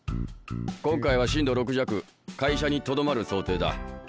今回は震度６弱会社にとどまる想定だ。